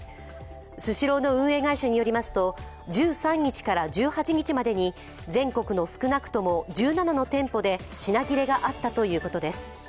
スシローの運営会社によりますと、１３日から１８日までに全国の少なくとも１７の店舗で品切れがあったということです。